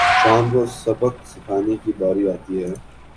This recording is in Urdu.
شام کو سبق سکھانے کی باری آتی ہے